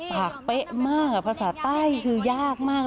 ผักเป๊ะมากภาษาใต้คือยากมาก